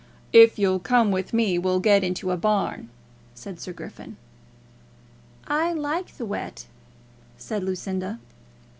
"If you'll come with me, we'll get into a barn," said Sir Griffin. "I like the wet," said Lucinda.